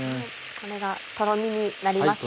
これがとろみになりますね。